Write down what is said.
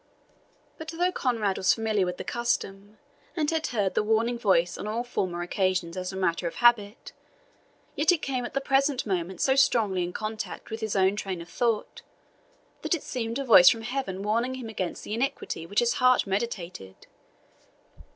But though Conrade was familiar with the custom, and had heard the warning voice on all former occasions as a matter of habit, yet it came at the present moment so strongly in contact with his own train of thought, that it seemed a voice from Heaven warning him against the iniquity which his heart meditated.